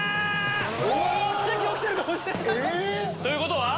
奇跡が起きてるかもしれない！ということは？